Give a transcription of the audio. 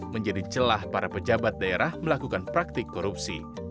menjadi celah para pejabat daerah melakukan praktik korupsi